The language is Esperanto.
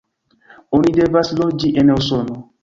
Oni devas loĝi en Usono.